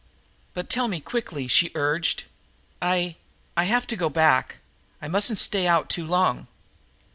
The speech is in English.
"But tell me quickly," she urged. "I I have to go back. I mustn't stay out too long."